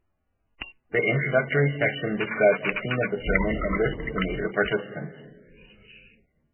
The introductory section describes the scene of the sermon and lists the major participants.